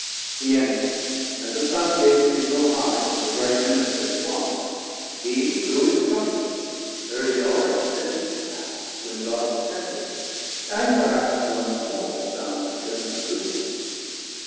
He ended, and the Son gave signal high To the bright Minister that watchd, hee blew His Trumpet, heard in Oreb since perhaps When God descended, and perhaps once more To sound at general Doom.